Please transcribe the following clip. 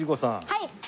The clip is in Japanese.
はい。